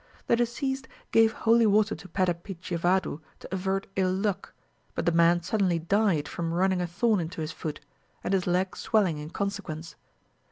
The deceased gave holy water to Pedda Pichivadu to avert ill luck, but the man suddenly died from running a thorn into his foot, and his leg swelling in consequence.